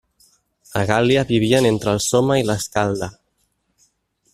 A la Gàl·lia vivien entre el Somme i l'Escalda.